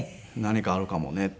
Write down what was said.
「何かあるかもね」